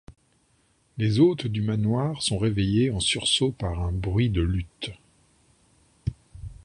Les hôtes du manoir sont réveillés en sursaut par un bruit de lutte.